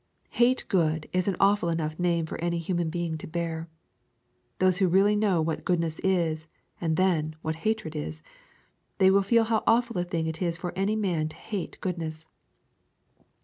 HATE GOOD is an awful enough name for any human being to bear. Those who really know what goodness is, and then, what hatred is, they will feel how awful a thing it is for any man to hate goodness.